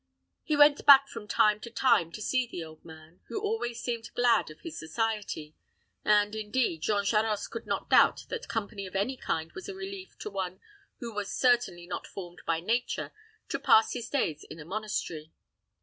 He went back from lime to time to see the old man, who always seemed glad of his society, and, indeed, Jean Charost could not doubt that company of any kind was a relief to one who was certainly not formed by nature to pass his days in a monastery.